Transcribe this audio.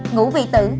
ngủ vì tử